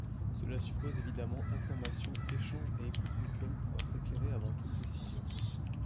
Cela suppose évidemment information, échange et écoute mutuelle pour être éclairé avant toute décision.